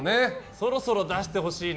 そろそろ出してほしいな。